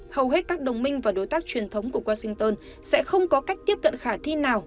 hầu hết các đồng minh và đối tác truyền thống của washington sẽ không có cách tiếp cận khả thi nào